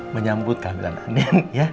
menyambut kehamilan andin ya